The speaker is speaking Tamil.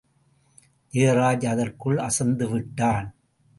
ஜெயராஜ் அதற்குள் அசந்துவிட்டான்.